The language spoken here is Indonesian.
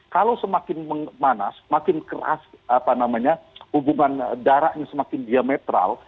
kalau semakin manas semakin keras hubungan darahnya semakin diametral